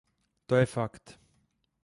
To je fakt.